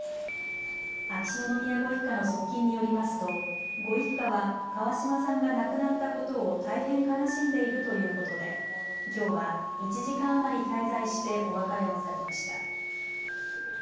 秋篠宮ご一家の側近によりますとご一家は川嶋さんが亡くなったことを大変悲しんでいるということできょうは１時間余り滞在してお別れをされました。